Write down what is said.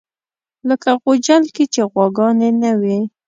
لکه غوجل کې چې غواګانې نه وي.